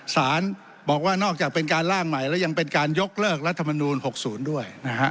สารบอกว่านอกจากเป็นการล่างใหม่แล้วยังเป็นการยกเลิกรัฐมนูล๖๐ด้วยนะฮะ